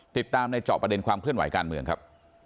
ติดตามในเจาะประเด็นความเคลื่อนไหวการเมืองครับ